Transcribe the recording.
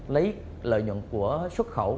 lấy lợi nhuận của xuất khẩu